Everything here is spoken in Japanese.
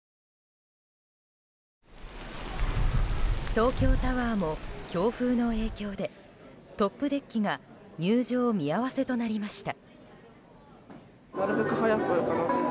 東京タワーも強風の影響でトップデッキが入場見合わせとなりました。